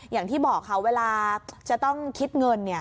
อย่างที่บอกค่ะเวลาจะต้องคิดเงิน